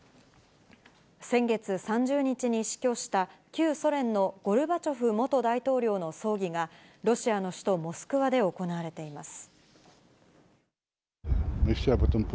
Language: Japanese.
先月３０日に死去した、旧ソ連のゴルバチョフ元大統領の葬儀が、ロシアの首都モスクワで行われています。